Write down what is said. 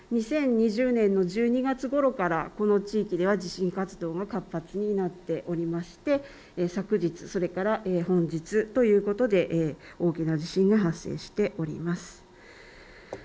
２０１２年の２月ごろからこの地域では地震活動が活発になっておりまして昨日それから本日とということで大きな地震が発生しております。